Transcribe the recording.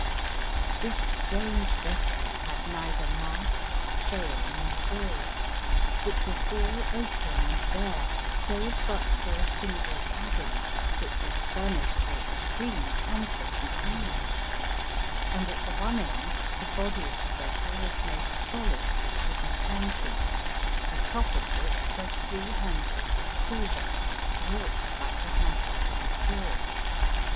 This strange vessel had neither mast, sail, nor oar. It was all open and bare, save but for a single cabin that was furnished for extreme comfort and ease, and, at the one end, the body of the vessel was made solid with wooden planking, atop of which were three handles of silver, wrought like the han dles of a door.